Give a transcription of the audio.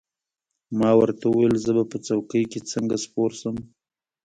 ما ورته وویل: زه به په څوکۍ کې څنګه سپور شم؟